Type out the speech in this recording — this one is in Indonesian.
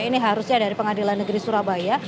ini harusnya dari pengadilan negeri surabaya